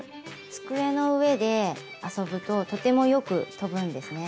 机の上で遊ぶととてもよく飛ぶんですね。